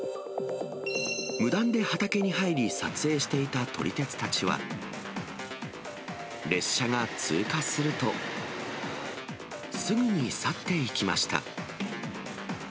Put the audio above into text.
無断で畑に入り撮影していた撮り鉄たちは、列車が通過すると、すぐに去っていきました。